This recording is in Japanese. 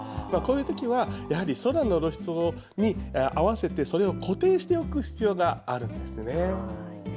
こういうときは、やはり空の露出に合わせてそれを固定しておく必要があるんですね。